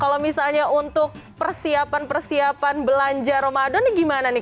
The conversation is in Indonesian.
kalau misalnya untuk persiapan persiapan belanja ramadan nih gimana nih